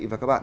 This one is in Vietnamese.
và các bạn